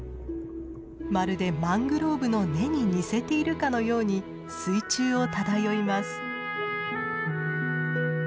まるでマングローブの根に似せているかのように水中を漂います。